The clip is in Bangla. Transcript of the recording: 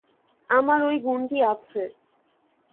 আমার ঐ গুণটি আছে।